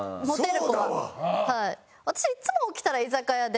いつも起きたら居酒屋で。